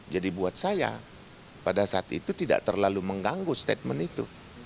jadi buat saya pada saat itu tidak terlalu mengganggu statement itu